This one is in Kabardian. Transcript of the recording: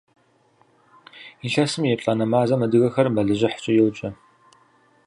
Илъэсым и еплӀанэ мазэм адыгэхэр мэлыжьыхькӀэ йоджэ.